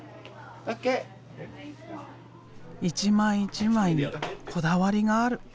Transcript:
一枚一枚にこだわりがある。